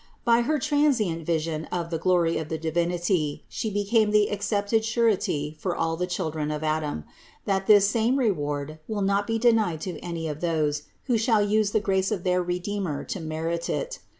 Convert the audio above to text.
By her transient vision of the glory of the Divinity, She became the accepted surety for all the children of Adam, that this same reward will not be denied to any of those, who shall use the grace of their Redeemer to merit it.